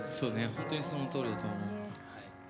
本当にそのとおりだと思う。